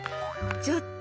ちょっと。